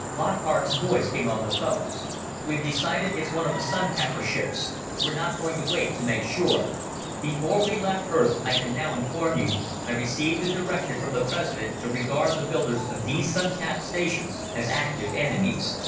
Lockhart's voice came on the phones. "We've decided it's one of the Sun tapper ships. We're not going to wait to make sure. Before we left Earth, I can now inform you, I received a directive from the President to regard the builders of these Sun tap stations as active enemies.